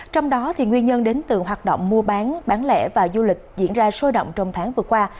trong đó nguyên nhân đến từ hoạt động mua bán bán lẻ và du lịch diễn ra sôi động trong tháng vừa qua